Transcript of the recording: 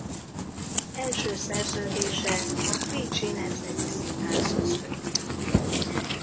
Első szerződése a Pécsi Nemzeti Színházhoz köti.